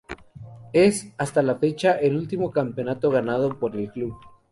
Es, hasta la fecha, el último campeonato ganado por el club.